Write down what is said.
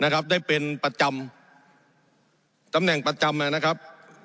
ได้เป็นประจำตำแหน่งประจำนะครับ